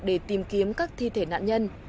để tìm kiếm các thi thể nạn nhân